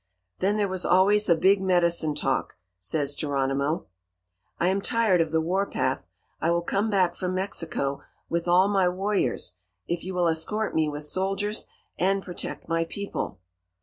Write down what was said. Then there was always a big medicine talk. Says Geronimo: "'I am tired of the warpath. I will come back from Mexico with all my warriors, if you will escort me with soldiers and protect my people.'